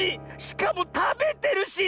しかもたべてるし！